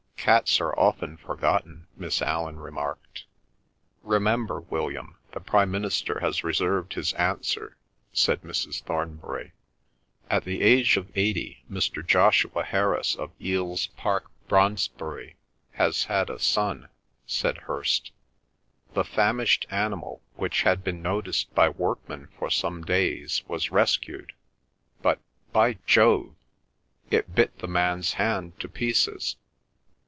"Cats are often forgotten," Miss Allan remarked. "Remember, William, the Prime Minister has reserved his answer," said Mrs. Thornbury. "At the age of eighty, Mr. Joshua Harris of Eeles Park, Brondesbury, has had a son," said Hirst. "... The famished animal, which had been noticed by workmen for some days, was rescued, but—by Jove! it bit the man's hand to pieces!"